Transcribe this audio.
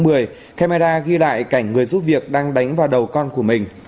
trước đó camera ghi lại cảnh người giúp việc đang đánh vào đầu con của mình